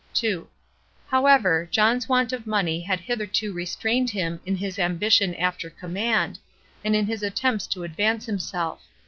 2. However, John's want of money had hitherto restrained him in his ambition after command, and in his attempts to advance himself.